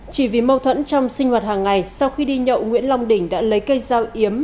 chỉ vì mâu thuẫn trong sinh hoạt hàng ngày sau khi đi nhậu nguyễn long đình đã lấy cây dao yếm